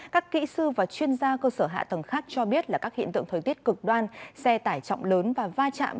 các kỹ sư và chuyên gia cơ sở hạ tầng khác cho biết là các hiện tượng thời tiết cực đoan xe tải trọng lớn và va chạm